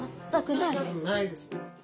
ないです。